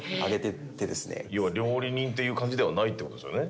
要は料理人っていう感じではないってことですよね